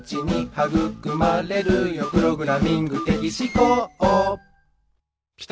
「はぐくまれるよプロミング的思考」